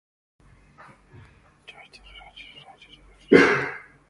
Holmes was inspired by the actor Dustin Hoffman and wished to emulate his success.